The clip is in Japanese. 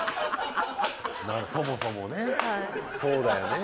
そもそもねそうだよね。